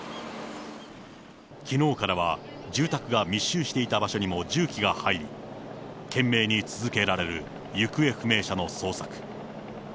きのうからは、住宅が密集していた場所にも重機が入り、懸命に続けられる行方不明者の捜索。